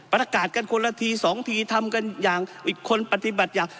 ประกาศกันคนละทีสองทีทำกันอย่างอีกคนปฏิบัติอย่าง